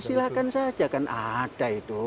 ya silahkan saja kan ada itu